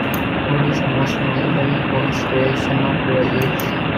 Hood is most notable for his creation of "Real Wheels".